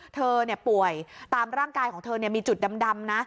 เธอป่วยตามร่างกายของเธอมีจุดดำนะ